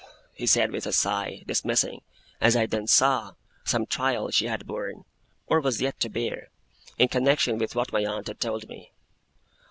he said with a sigh, dismissing, as I then saw, some trial she had borne, or was yet to bear, in connexion with what my aunt had told me.